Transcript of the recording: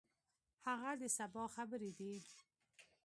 هغه د سبا خبرې دي.